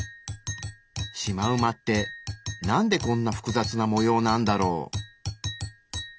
シマウマってなんでこんな複雑な模様なんだろう？